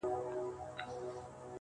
په دې وطن کي به نو څنگه زړه سوری نه کوي~